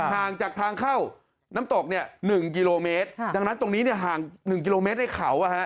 ห่างจากทางเข้าน้ำตกเนี่ย๑กิโลเมตรดังนั้นตรงนี้เนี่ยห่าง๑กิโลเมตรในเขา